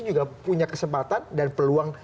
juga punya kesempatan dan peluang